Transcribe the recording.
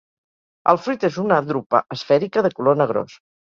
El fruit és una drupa esfèrica de color negrós.